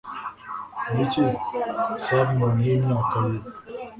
Niki Salmon Yimyaka Yitwa